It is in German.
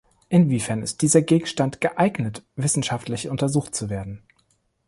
Inwiefern ist dieser Gegenstand geeignet, wissenschaftlich untersucht zu werden?